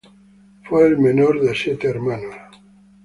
Fue el menor de siete hermanos.